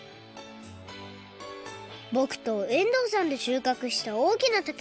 ぼくと遠藤さんでしゅうかくした大きなたけのこ。